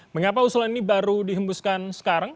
mengapa usulan ini baru dihembuskan sekarang